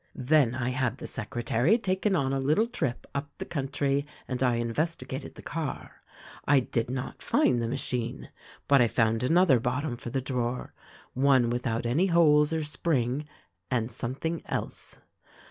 "Then I had the secretary taken on a little trip up the country and I investigated the car. I did not find the machine ; but I found another bottom for the drawer — one without any holes or spring — and something else.